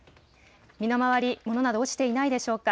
身の回り、物など落ちていないでしょうか。